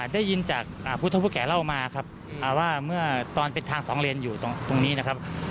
ได้ยินจากภูทธิบุคแก่เล่ามาว่าตอนเป็นทางสองเรนอยู่ตรงนี้นะครับ